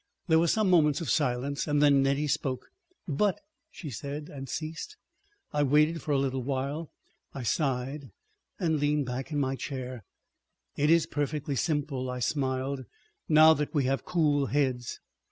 There were some moments of silence. Then Nettie spoke. "But———" she said, and ceased. I waited for a little while. I sighed and leant back in my chair. "It is perfectly simple," I smiled, "now that we have cool heads."